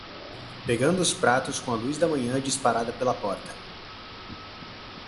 Pegando os pratos com a luz da manhã disparada pela porta